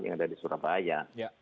yang ada di surabaya